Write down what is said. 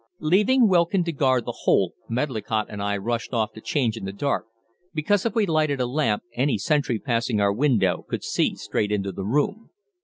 Leaving Wilkin to guard the hole Medlicott and I rushed off to change in the dark, because if we lighted a lamp any sentry passing our window could see straight into the room.